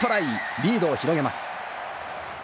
リードを広げます。